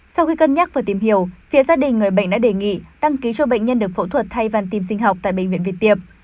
sau khi cân nhắc và tìm hiểu phía gia đình người bệnh đã đề nghị đăng ký cho bệnh nhân được phẫu thuật thay vàn tim sinh học tại bệnh viện việt tiệp